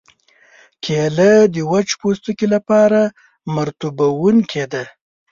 کېله د وچ پوستکي لپاره مرطوبوونکې ده.